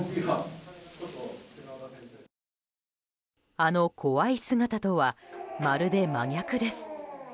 あの怖い姿とはまるで真逆です。